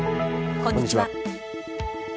こんにちは。